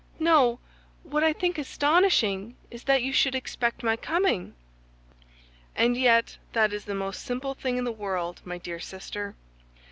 "No; what I think astonishing is that you should expect my coming." "And yet that is the most simple thing in the world, my dear sister.